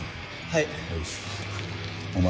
はい。